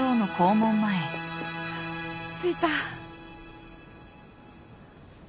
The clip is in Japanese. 着いた。